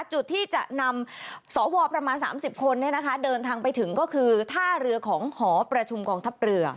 จุดที่จะนำสวประมาณ๓๐คนเดินทางไปถึงก็คือท่าเรือของหอประชุมกองทัพเรือ